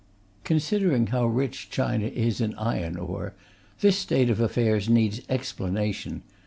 Considering how rich China is in iron ore, this state of affairs needs explanation.